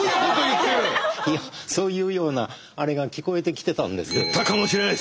そういうようなあれが聞こえてきてたんです。